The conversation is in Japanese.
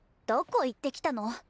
どこ行ってきたの？